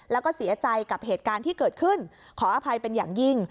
แล้วก็เสียใจกับเหตุการณ์ที่เกิดขึ้นขออภัยเป็นอย่างยิ่ง